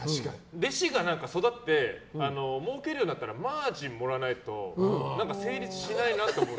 弟子が育ってもうけるようになったらマージンをもらわないと成立しないなって思う。